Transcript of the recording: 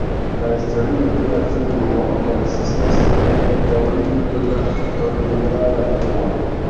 La historio de la filmo konsistas en daŭrigo de la originala filmo.